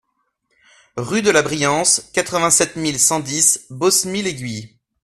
Rue de la Briance, quatre-vingt-sept mille cent dix Bosmie-l'Aiguille